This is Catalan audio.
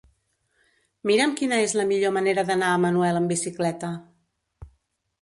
Mira'm quina és la millor manera d'anar a Manuel amb bicicleta.